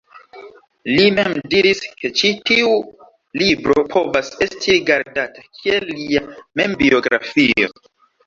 Li mem diris ke ĉi tiu libro povas esti rigardata kiel lia membiografio.